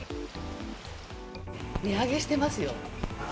値上げしてますよ。